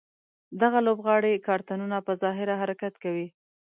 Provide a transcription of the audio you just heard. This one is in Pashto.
دغه لوبغاړي کارتونونه په ظاهره حرکت کوي.